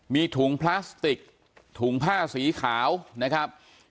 มีถุงพลาสติกถุงผ้าสีขาวนะครับ